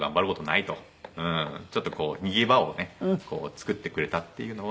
ちょっと逃げ場をね作ってくれたっていうのは。